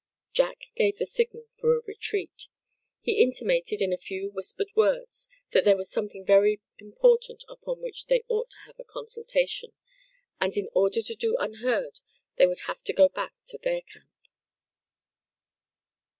Jack gave the signal for a retreat. He intimated in a few whispered words that there was something very important upon which they ought to have a consultation; and in order to do unheard they would have to go back to their camp.